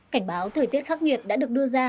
cảnh báo thời tiết khắc nghiệt đã được đưa ra